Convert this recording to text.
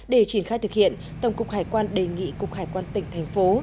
để triển khai thực hiện tổng cục hải quan đề nghị cục hải quan tỉnh thành phố